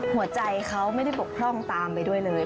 หัวใจเขาไม่ได้บกพร่องตามไปด้วยเลย